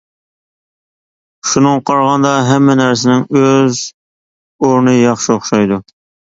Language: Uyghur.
شۇنىڭغا قارىغاندا ھەممە نەرسىنىڭ ئۆز ئورنى ياخشى ئوخشايدۇ.